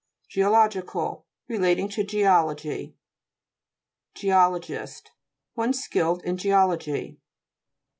GEOLO'GICAL Relating to geology. GE'OLOGIST One skilled in geology.